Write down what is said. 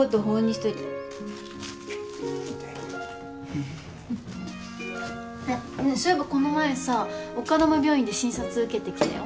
そういえばこの前さ丘珠病院で診察受けてきたよ。